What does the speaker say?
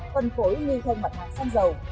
phân phối nghi thông mặt hàng xăng dầu